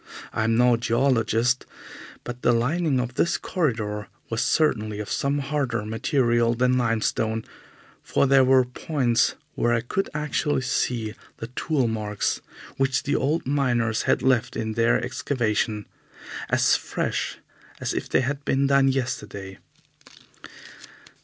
I am no geologist, but the lining of this corridor was certainly of some harder material than limestone, for there were points where I could actually see the tool marks which the old miners had left in their excavation, as fresh as if they had been done yesterday.